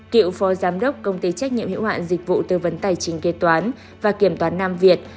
kiệu phó giám đốc công ty trách nhiệm hiệu hoạn dịch vụ tư vấn tài trình kế toán và kiểm toán nam việt